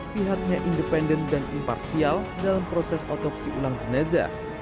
pihaknya independen dan imparsial dalam proses otopsi ulang jenazah